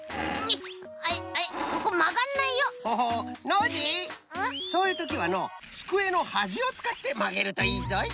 ノージーそういうときはのうつくえのはじをつかってまげるといいぞい。